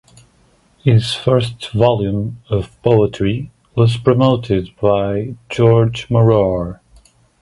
His first own volume of poetry was promoted by Georg Maurer.